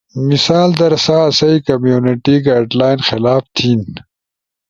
مثال در سا آسئی کمیونٹی گائیڈلائن خلاف تھین